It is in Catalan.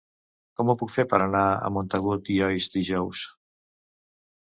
Com ho puc fer per anar a Montagut i Oix dijous?